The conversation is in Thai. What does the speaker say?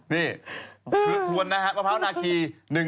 นี่ทวนนะฮะวะพร้าวนาคี๑๐๒๐๗๙๕๙๗๕๙